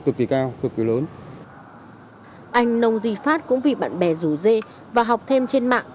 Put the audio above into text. cực kỳ cao cực kỳ lớn anh nông di phát cũng vì bạn bè rủ dê và học thêm trên mạng